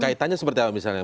kaitannya seperti apa misalnya